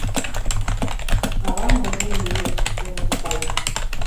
— Авам нерген лиеш, — кӧныш Таис.